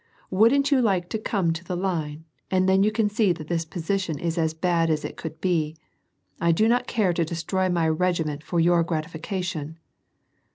" Wouldn't you like to come to the line, and then you can see that this [)osition is as bad as it could be. I do not care to destroy my regiment for your gratification."